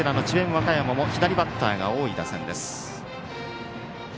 和歌山も左バッターが多い打線です。